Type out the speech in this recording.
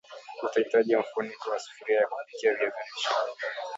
Utahitaji mfuniko wa sufuria ya kupikia viazi lishe